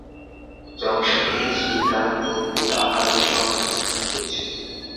জংশনে এসে গাড়ি বদলিয়ে আহারের সন্ধানে গেছে।